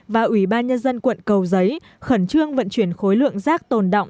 và ủy ban nhân dân quận cầu giấy khẩn trương vận chuyển khối lượng rác tồn động